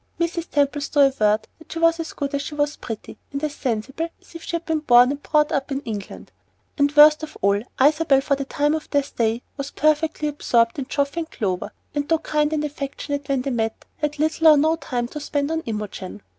Mrs. Templestowe averred that she was as good as she was pretty, and as "sensible" as if she had been born and brought up in England; and, worst of all, Isabel, for the time of their stay, was perfectly absorbed in Geoff and Clover, and though kind and affectionate when they met, had little or no time to spend on Imogen.